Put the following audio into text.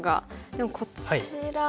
でもこちら。